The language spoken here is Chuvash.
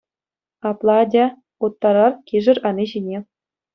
Апла атя, уттарар кишӗр ани ҫине.